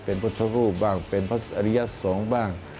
เป็นพุทธรูปบ้างเป็นพระอริยสงฆ์บ้าง